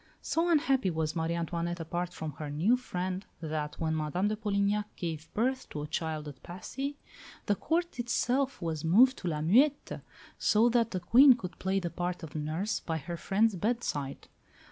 So unhappy was Marie Antoinette apart from her new friend that, when Madame de Polignac gave birth to a child at Passy, the Court itself was moved to La Muette, so that the Queen could play the part of nurse by her friend's bedside.